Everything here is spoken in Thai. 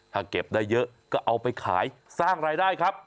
ถ้าเก็บได้เยอะก็เอาไปขายสร้างรายได้ครับ